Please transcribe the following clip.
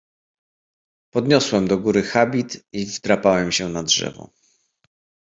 "Podniosłem do góry habit i wdrapałem się na drzewo."